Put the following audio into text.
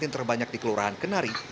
terbanyak di kelurahan kenari